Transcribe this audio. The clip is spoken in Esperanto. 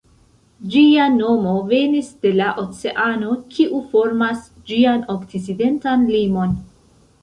Ĝia nomo venis de la oceano, kiu formas ĝian okcidentan limon.